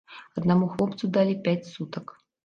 Аднаму хлопцу далі пяць сутак.